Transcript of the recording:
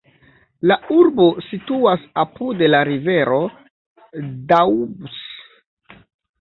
La urbo situas apud la rivero Doubs.